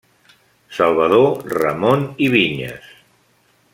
Salvador Ramon i Vinyes.